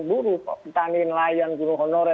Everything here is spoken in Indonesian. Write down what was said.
buruh petani nelayan buruh honore